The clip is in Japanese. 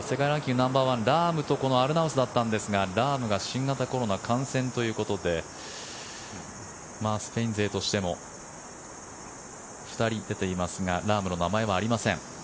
ナンバーワンのラームとアルナウスだったんですがラームが新型コロナ感染ということでスペイン勢としても２人出ていますがラームの名前はありません。